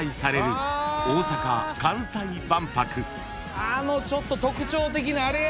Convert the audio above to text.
あのちょっと特徴的なあれや。